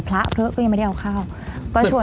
พระเพิ๊กก็ยังไม่ได้เอาเข้าก็ชวนเพื่อน